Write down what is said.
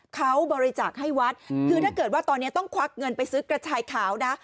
เขาบริจาคให้วัดคือถ้าเกิดว่าตอนนี้ต้องควักเงินไปซื้อกระชายขาวนะ